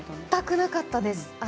全くなかったです。